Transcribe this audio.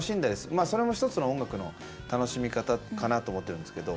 まあそれも一つの音楽の楽しみ方かなと思ってるんですけど。